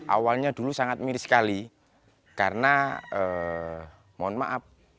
awalnya dulu sangat mirip sekali karena mohon maaf